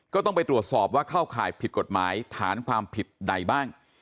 ก็ต้องไปตรวจสอบว่าเข้าข่ายผิดกฎหมายฐานความผิดใดบ้าง